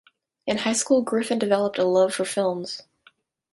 In high school, Griffin developed a love for films.